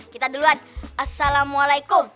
kita duluan assalamualaikum